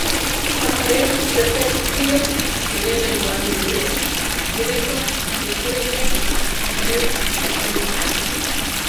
Ajaré retewi sire; biré nayúame níre, birecho mukúreke, ajáre icháka nóka.